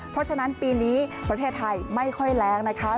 เพราะฉะนั้นปีนี้ประเทศไทยไม่ค่อยแรงนะคะ